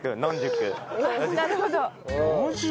なるほど。